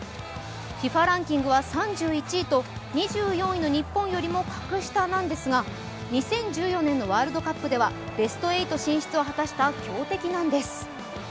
ＦＩＦＡランキングは３１位と、２４位の日本よりも格下なんですが、２０１４年のワールドカップではベスト８進出を果たした強敵なんです。